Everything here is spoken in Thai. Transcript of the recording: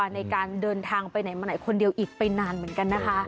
ในการเดินทางไปไหนมาไหนคนเดียวอีกไปนานเหมือนกันนะคะ